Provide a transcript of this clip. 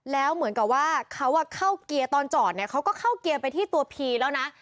แล้วเหมือนกับว่าเขาเข้าเกียร์ตอนจอดเนี่ยเขาก็เข้าเกียร์ไปที่ตัวพีแล้วนะ